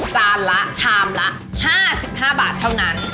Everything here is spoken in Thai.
จานละชามละ๕๕บาทเท่านั้น